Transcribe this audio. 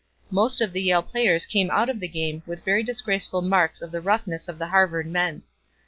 Most of the Yale players came out of the game with very disgraceful marks of the roughness of the Harvard men.